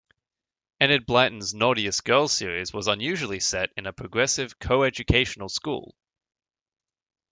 Enid Blyton's Naughtiest Girl series was unusually set in a progressive coeducational school.